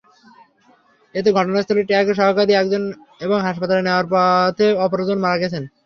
এতে ঘটনাস্থলে ট্রাকের সহকারী একজন এবং হাসপাতালে নেওয়ার পথে অপরজন মারা গেছেন।